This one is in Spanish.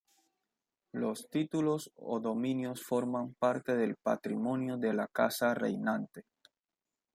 Los títulos o dominios forman parte del patrimonio de la casa reinante.